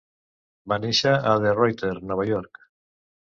Va néixer a De Ruyter, Nova York.